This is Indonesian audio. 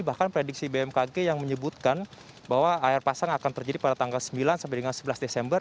jadi bahkan prediksi bmkg yang menyebutkan bahwa air pasang akan terjadi pada tanggal sembilan sampai dengan sebelas desember